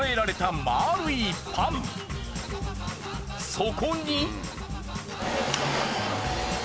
そこに。